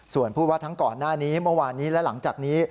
ส่วนพูดว่าทั้งก่อนหน้านี้เมื่อวานนี้และหลังจากนี้